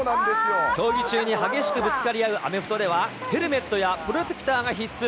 競技中に激しくぶつかり合うアメフトでは、ヘルメットやプロテクターが必須。